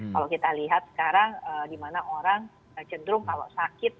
kalau kita lihat sekarang dimana orang cenderung kalau sakit